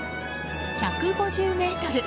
１５０ｍ。